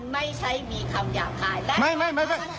มันไม่ใช่มีคำอยากถ่าย